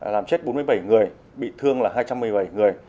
làm chết bốn mươi bảy người bị thương là hai trăm một mươi bảy người